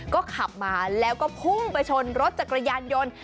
ก็ขับมาแล้วก็พุ่งไปชนรถจักรยานยนต์